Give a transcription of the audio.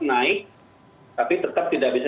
naik tapi tetap tidak bisa